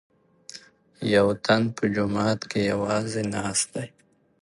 یوتن په جومات کې یوازې ناست دی.